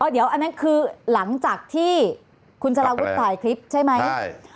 เดี๋ยวอันนั้นคือหลังจากที่คุณสารวุฒิถ่ายคลิปใช่ไหม